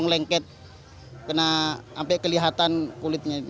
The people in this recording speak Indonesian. lengket kena sampai kelihatan kulitnya